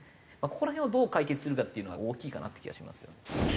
ここら辺をどう解決するかっていうのは大きいかなって気がしますよね。